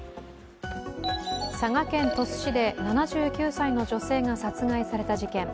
佐賀県鳥栖市で７９歳の女性が殺害された事件。